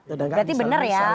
berarti benar ya